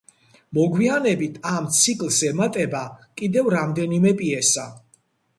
მოგვიანებით ამ ციკლს ემატება კიდევ რამდენიმე პიესა.